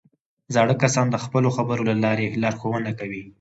زاړه کسان د خپلو خبرو له لارې لارښوونه کوي